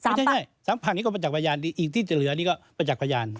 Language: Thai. ไม่ใช่สัมผัสนี้ก็ประจักษ์พยานดีอีกที่จะเหลือนี่ก็ประจักษ์พยาน